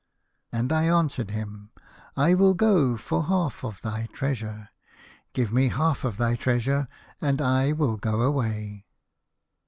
" And I answered him, ' I will go for half of thy treasure. Give me half of thy treasure, and I will go away.